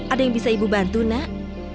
ada yang bisa ibu bantu nak